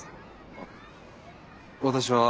あっ私は。